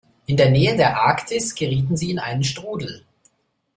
In der Nähe der Arktis gerieten sie in einen Strudel.